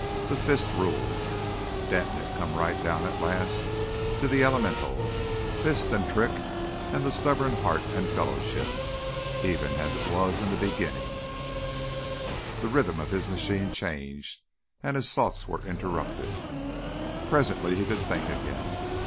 The fist ruled. Denton had come right down at last to the elemental fist and trick and the stubborn heart and fellowship even as it was in the beginning. The rhythm of his machine changed, and his thoughts were interrupted. Presently he could think again.